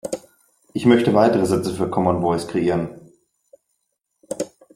Ich möchte weitere Sätze für Common Voice kreieren.